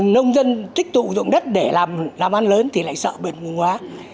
nông dân tích tụ dụng đất để làm ăn lớn thì lại sợ bẩn vùng hóa